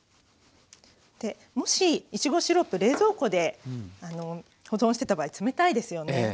もしいちごシロップ冷蔵庫で保存してた場合冷たいですよね。